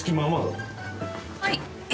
はい。